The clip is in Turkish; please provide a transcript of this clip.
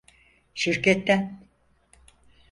Şirketten…